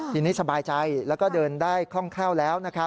ทีนี้สบายใจแล้วก็เดินได้คล่องแคล่วแล้ว